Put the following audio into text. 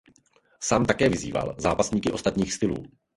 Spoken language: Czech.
Sám také vyzýval zapásníky ostatních stylů.